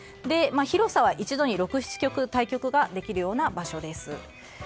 広さは一度に６７局対局ができるような場所です。